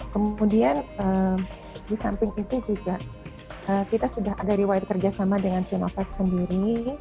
kemudian di samping itu juga kita sudah ada riwayat kerjasama dengan sinovac sendiri